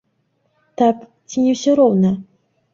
Так, ці не ўсё роўна?